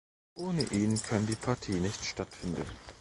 Ohne ihn kann die Partie nicht stattfinden.